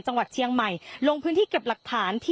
จังหวัดเชียงใหม่ลงพื้นที่เก็บหลักฐานที่